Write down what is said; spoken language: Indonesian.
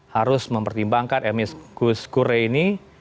harus mempertimbangkan amicus cure ini